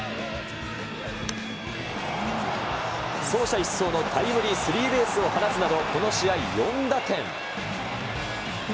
走者一掃のタイムリースリーベースを放つなど、この試合４打点。